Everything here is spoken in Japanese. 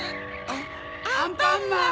アンパンマン！